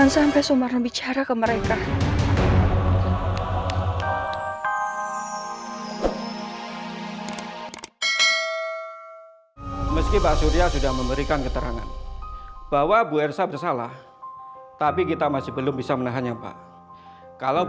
sampai jumpa di video selanjutnya